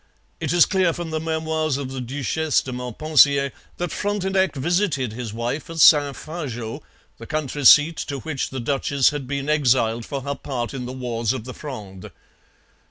It is clear from the Memoirs of the Duchesse de Montpensier that Frontenac visited his wife at Saint Fargeau, the country seat to which the duchess had been exiled for her part in the wars of the Fronde.